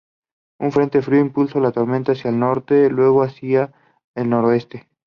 Un frente frío impulsó la tormenta hacia el norte, luego hacia el nordeste.